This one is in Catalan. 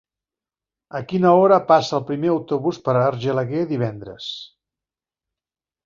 A quina hora passa el primer autobús per Argelaguer divendres?